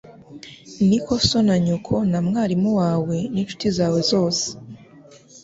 Niko So na Nyoko na Mwarimu wawe n'inshuti zawe zose.